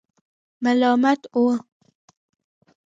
ملامتاوه.